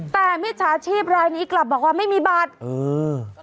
แต่มิจฉาชีพรายนี้กลับบอกว่าไม่มีบัตรเออ